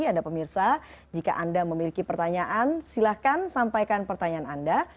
anda pemirsa jika anda memiliki pertanyaan silahkan sampaikan pertanyaan anda